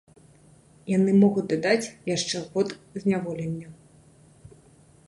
Яму могуць дадаць яшчэ год зняволення.